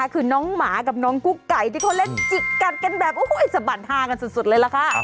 คือน้องหมากับน้องกุ๊กไก่ที่เขาเล่นจิกกัดกันแบบสะบัดฮากันสุดเลยล่ะค่ะ